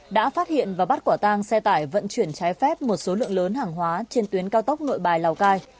đã phát hiện và bắt quả tang xe tải vận chuyển trái phép một số lượng lớn hàng hóa trên tuyến cao tốc nội bài lào cai